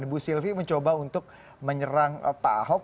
ibu sylvi mencoba untuk menyerang pak ahok